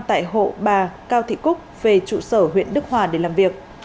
tại hộ bà cao thị cúc về trụ sở huyện đức hòa để làm việc